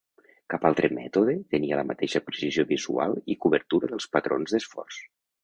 Cap altre mètode tenia la mateixa precisió visual i cobertura dels patrons d'esforç.